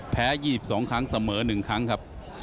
แพ้๒๒ครั้งเสมอ๑ครั้งครับ